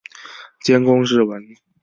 兼工诗文。